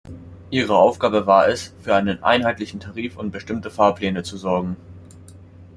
Ihre Aufgabe war es, für einen einheitlichen Tarif und abgestimmte Fahrpläne zu sorgen.